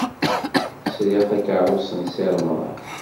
Sriɣ takeṛṛust n Si Remḍan.